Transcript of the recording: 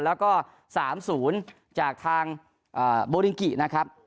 แล้วก็๓๐จากทางโบลิงกินะครับ